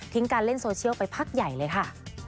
การเล่นโซเชียลไปพักใหญ่เลยค่ะ